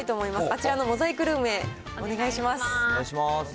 あちらのモザイクルームへお願いします。